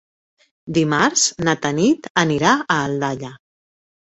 Dimarts na Tanit anirà a Aldaia.